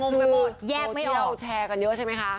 พูดที่เราแชร์กันเยอะใช่ไหมคะ